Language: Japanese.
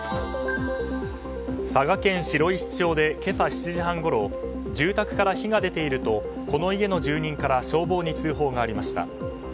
佐賀県白石町で今朝７時半ごろ住宅から火が出ているとこの家の住人から消防に通報がありました。